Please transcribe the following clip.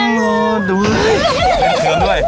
โลดด้วยมันเคียงด้วย